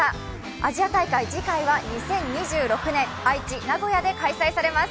アジア大会、次回は２０２６年、愛知・名古屋で開催されます。